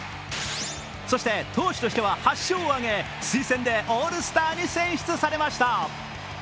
そして、投手としては８勝を挙げ推薦でオールスターに選出されました。